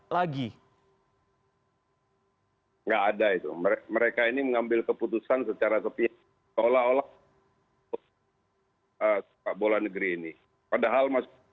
lagi nggak ada itu mereka ini mengambil keputusan secara sepi olah olah bola negeri ini padahal